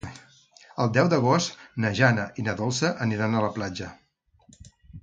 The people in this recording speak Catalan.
El deu d'agost na Jana i na Dolça aniran a la platja.